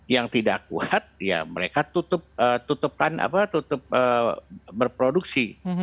yang tidak kuat ya mereka tutupkan apa tutup berproduksi